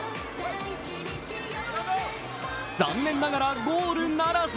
残念ながらゴールならず。